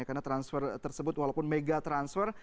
karena transfer tersebut walaupun mega transfer